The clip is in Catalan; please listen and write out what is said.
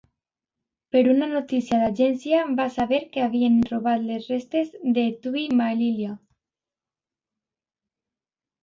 Per una notícia d'agència va saber que havien robat les restes de Tu'i Malila.